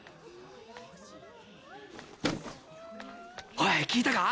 おい聞いたか？